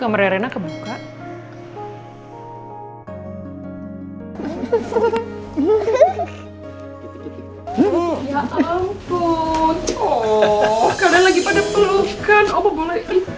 kamu yang fotoin sini